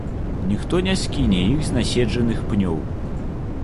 Ніхто не скіне іх з наседжаных пнёў.